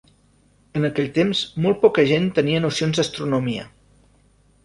En aquell temps, molt poca gent tenia nocions d'astronomia.